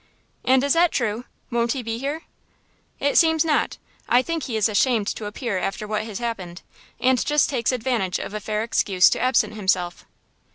"And is that true? Won't he be here?" "It seems not. I think he is ashamed to appear after what has happened, and just takes advantage of a fair excuse to absent himself."